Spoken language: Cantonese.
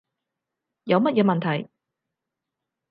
有乜嘢問題